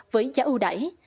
với giá ưu đải